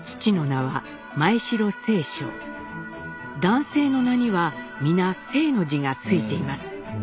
男性の名には皆「正」の字が付いています。